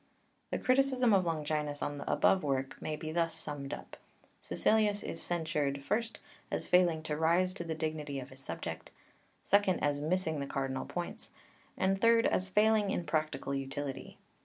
The criticism of Longinus on the above work may be thus summed up: Caecilius is censured (1) as failing to rise to the dignity of his subject; (2) as missing the cardinal points; and (3) as failing in practical utility.